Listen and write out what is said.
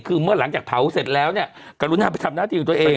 คือเมื่อหลังจากเผาเสร็จแล้วเนี่ยกรุณาไปทำหน้าที่ของตัวเอง